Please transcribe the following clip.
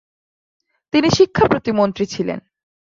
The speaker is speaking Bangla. তিনি শিক্ষা প্রতিমন্ত্রী ছিলেন।